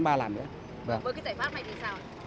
với cái giải pháp này thì sao